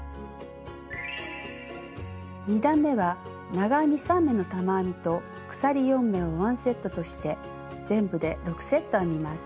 ２段めは長編み３目の玉編みと鎖４目をワンセットとして全部で６セット編みます。